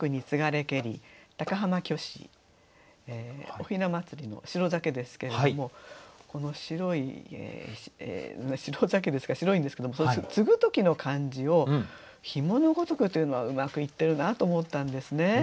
おひな祭りの白酒ですけれどもこの白い白酒ですから白いんですけどもつぐ時の感じを「紐の如く」というのはうまく言ってるなと思ったんですね。